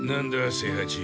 清八。